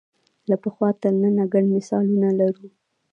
له پخوا تر ننه ګڼ مثالونه لرو